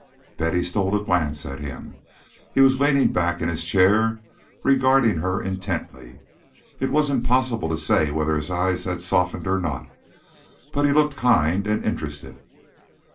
Betty stole a glance at him. He was leaning back in his chair regarding her intently. It was impossible to say whether his eyes had softened or not, but he looked kind and interested.